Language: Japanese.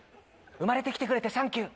「生まれて来てくれてサンキュー」。